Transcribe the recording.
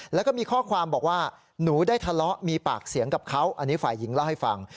แล้วก็มีข้อความบอกว่าหนูได้ทะเลาะมีปากเสียงกับเขาอันนี้ฝ่ายหญิงเล่าให้ฟัง